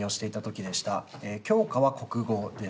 教科は国語です。